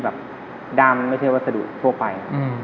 แต่ว่าไม่เท่ากับวัสดุทั่วไป